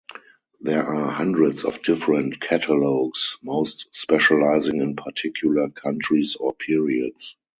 There are hundreds of different catalogues, most specializing in particular countries or periods.